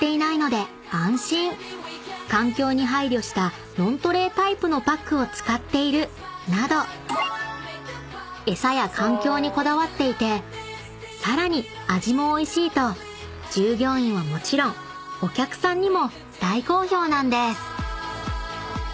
［環境に配慮したノントレータイプのパックを使っているなど餌や環境にこだわっていてさらに味もおいしいと従業員はもちろんお客さんにも大好評なんです］